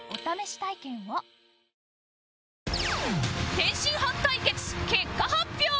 天津飯対決結果発表！